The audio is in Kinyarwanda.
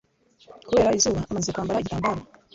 kubera izuba, amaze kwambara igitambaro